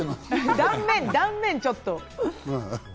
断面が、ちょっと。